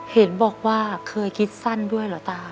เห็นบอกว่าเคยคิดสั้นด้วยเหรอตา